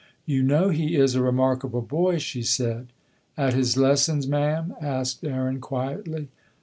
"You know he is a remarkable boy," she said. "At his lessons, ma'am?" asked Aaron, quietly.